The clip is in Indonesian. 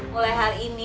mulai hal ini